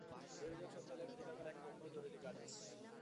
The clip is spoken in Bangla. এ অভিযোগ সত্য হলে এর প্রতিকার করা এক নম্বর জরুরি কাজ।